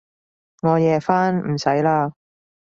我夜返，唔使喇